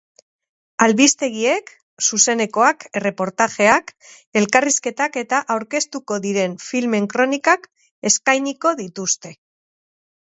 Albistegiek zuzenekoak, erreportajeak, elkarrizketak eta aurkeztuko diren filmen kronikak eskainiko dituzte.